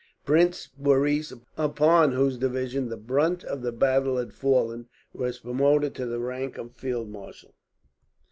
Prince Maurice, upon whose division the brunt of the battle had fallen, was promoted to the rank of field marshal.